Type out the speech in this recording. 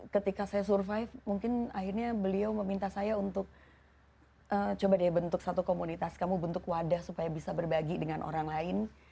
ketika saya survive mungkin akhirnya beliau meminta saya untuk coba deh bentuk satu komunitas kamu bentuk wadah supaya bisa berbagi dengan orang lain